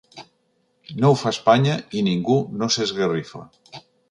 No ho fa Espanya, i ningú no s’esgarrifa.